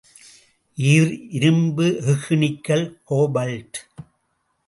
இரும்பு, எஃகு nickel, cobalt.